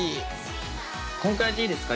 こんくらいでいいですか？